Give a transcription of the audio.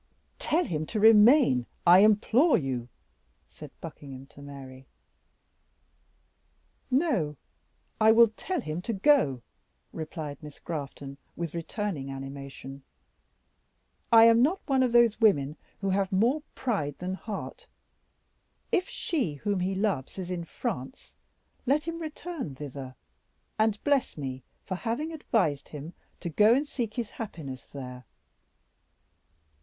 "Tell him to remain, I implore you!" said Buckingham to Mary. "No, I will tell him to go," replied Miss Grafton, with returning animation; "I am not one of those women who have more pride than heart; if she whom he loves is in France, let him return thither and bless me for having advised him to go and seek his happiness there.